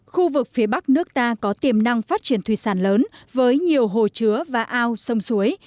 khu vực phía bắc nước ta có tiềm năng phát triển thủy sản lớn với nhiều hồ chứa và ao sông suối